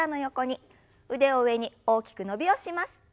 腕を上に大きく伸びをします。